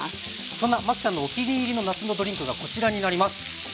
そんなマキさんのお気に入りの夏のドリンクがこちらになります。